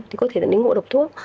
thì có thể đến ngộ độc thuốc